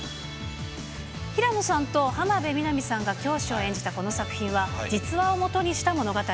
平野さんと浜辺美波さんが教師を演じたこの作品は、実話をもとにした物語。